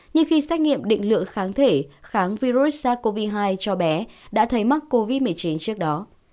nhưng khi xét nghiệm định lượng kháng thể kháng virus sars cov hai cho bé đã thấy mắc covid một mươi chín trước đó